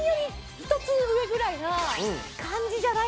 １つ上ぐらいな感じじゃないかな？